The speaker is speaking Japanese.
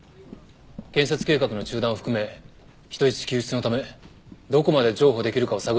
建設計画の中断を含め人質救出のためどこまで譲歩できるかを探ります。